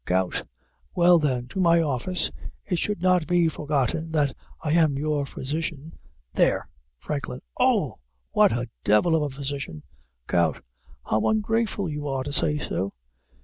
GOUT. Well, then, to my office; it should not be forgotten that I am your physician. There. FRANKLIN. Ohhh! what a devil of a physician! GOUT. How ungrateful you are to say so!